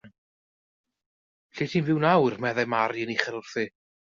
Lle wyt ti'n byw nawr, meddai Mary yn uchel wrthi.